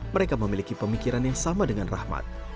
mereka memiliki pemikiran yang sama dengan rahmat